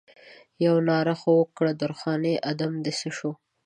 یوه ناره خو وکړه درخانۍ ادم دې څه شو؟